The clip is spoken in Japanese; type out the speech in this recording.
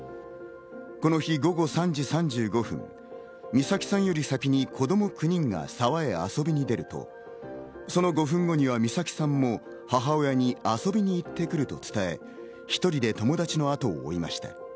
この日午後３時３５分、美咲さんより先に子供９人が沢に遊びに出ると、その５分後には美咲さんも母親に遊びに行ってくると伝え、一人で友達のあとを追いました。